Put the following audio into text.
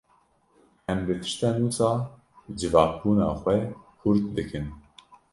Em bi tiştên wisa civakbûna xwe xurt dikin.